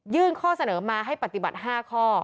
ยื่นข้อเสนอมาให้ปฏิบัติห้าข้อ